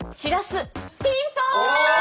ピンポン！